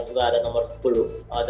di thailand secara umum